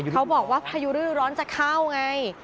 เขาบอกว่าพยุริร้อนจะเข้าไง